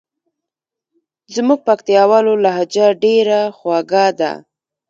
زموږ پکتیکاوالو لهجه ډېره خوژه ده.